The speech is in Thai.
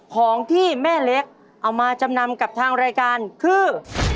ของที่แม่เล็กเอามาจำนำกับทางรายการคือ